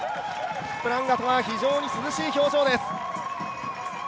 キプランガトは非常に涼しい表情です。